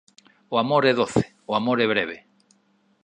O amor é doce, o amor é breve.